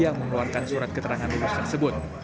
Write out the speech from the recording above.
yang mengeluarkan surat keterangan lulus tersebut